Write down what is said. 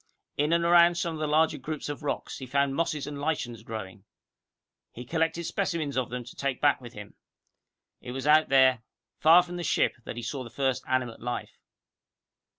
In and around some of the larger groups of rocks, he found mosses and lichens growing. He collected specimens of them to take back with him. It was out there, far from the ship, that he saw the first animate life.